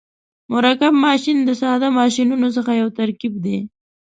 مرکب ماشین د ساده ماشینونو څخه یو ترکیب دی.